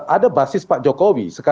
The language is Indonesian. ada basis pak jokowi